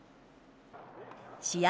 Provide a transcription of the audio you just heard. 試合